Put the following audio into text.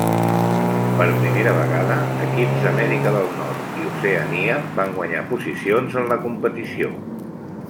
Per primera vegada, equips d'Amèrica del Nord i Oceania van guanyar posicions en la competició.